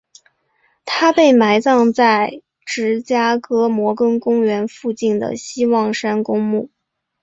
他被埋葬在芝加哥摩根公园附近的希望山公墓。